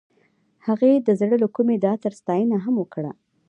هغې د زړه له کومې د عطر ستاینه هم وکړه.